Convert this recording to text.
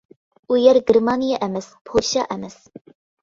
ئۇ يەر گېرمانىيە ئەمەس، پولشا ئەمەس.